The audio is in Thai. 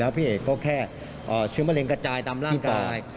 พี่เอกก็แค่เชื้อมะเร็งกระจายตามร่างกาย